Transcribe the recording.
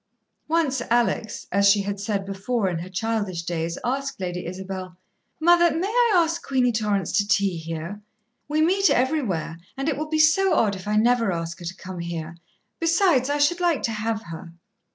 Once Alex, as she had said before in her childish days, asked Lady Isabel: "Mother, may I ask Queenie Torrance to tea here? We meet everywhere, and it will be so odd if I never ask her to come here. Besides, I should like to have her."